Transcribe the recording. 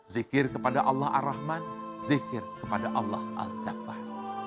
zikir kepada allah ar rahman zikir kepada allah al jakbar